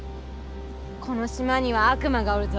この島には悪魔がおるぞ。